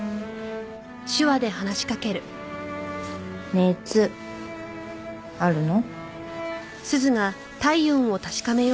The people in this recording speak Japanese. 熱あるの？